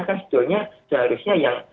kan sebetulnya seharusnya yang